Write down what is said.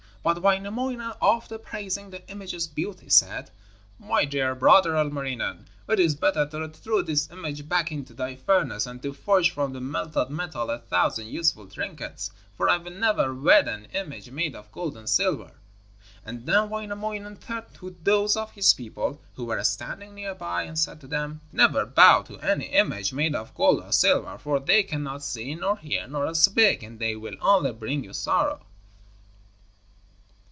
But Wainamoinen, after praising the image's beauty, said: 'My dear brother Ilmarinen, it is better to throw this image back into thy furnace, and to forge from the melted metal a thousand useful trinkets. For I will never wed an image made of gold and silver.' And then Wainamoinen turned to those of his people who were standing near by, and said to them: 'Never bow to any image made of gold or silver, for they cannot see, nor hear, nor speak, and they will only bring you sorrow.'